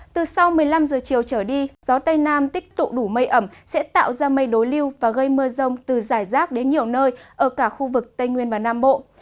từ sau một mươi năm giờ chiều trở đi gió tây nam tích tụ đủ mây ẩm sẽ tạo ra mây đối lưu và gây mưa rông từ giải rác đến nhiều nơi ở cả khu vực tây nguyên và nam bộ